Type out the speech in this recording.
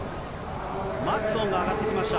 マッツォンが上がってきました。